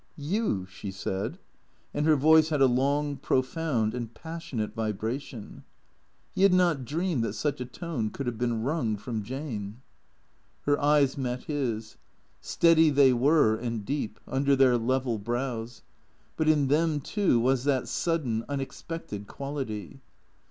"You?" she said, and her voice had a long, profound and passionate vibration. He had not dreamed that such a tone could have been wrung from Jane. 84 THECEEATOES Her eyes met his. Steady they were and deep, under their level brows ; but in tliem, too, was that sudden, unexpected qual ity.